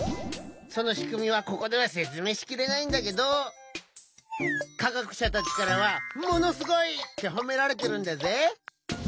そのしくみはここではせつめいしきれないんだけどかがくしゃたちからはものすごいってほめられてるんだぜ！